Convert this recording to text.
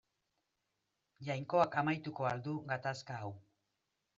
Jainkoak amaituko al du gatazka hau.